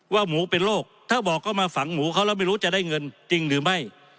หมูเป็นโรคถ้าบอกเขามาฝังหมูเขาแล้วไม่รู้จะได้เงินจริงหรือไม่